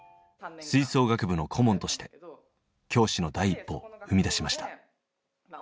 吹奏楽部の顧問として教師の第一歩を踏み出しました。